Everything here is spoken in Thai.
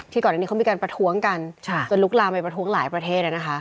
ก่อนอันนี้เขามีการประท้วงกันจนลุกลามไปประท้วงหลายประเทศนะคะ